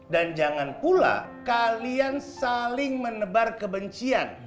dan jangan pula kalian saling menebar kebencian